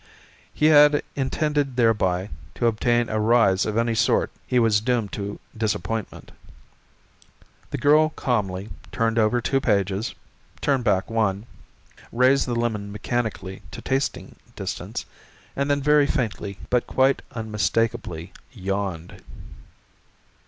If he had intended thereby to obtain a rise of any sort he was doomed to disappointment. The girl calmly turned over two pages, turned back one, raised the lemon mechanically to tasting distance, and then very faintly but quite unmistakably yawned.